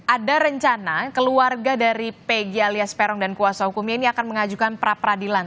ada rencana keluarga dari pg alias peron dan kuasa hukumnya ini akan mengajukan pra peradilan